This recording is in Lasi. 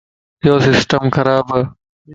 ايو سسٽم خراب ا.